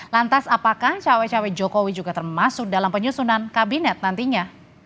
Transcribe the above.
lantas apakah cawe cawe jokowi juga termasuk dalam penyusunan kabinet nantinya